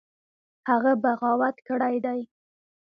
هغه بغاوت کړی دی.